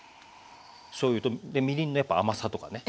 しょうゆとみりんの甘さとかね